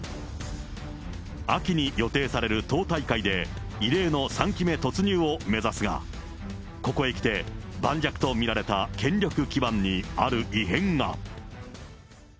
秋に予定される党大会で、異例の３期目突入を目指すが、ここへきて、盤石と見られた権力基盤にある異変が。